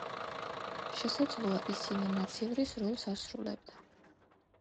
შესაძლოა, ისინი მაცივრის როლს ასრულებდა.